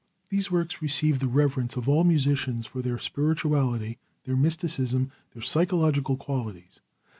These works receive the reverence of all musicians for their spirituality, their mysticism, their psychological qualities.